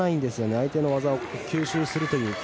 相手の技を吸収するというか。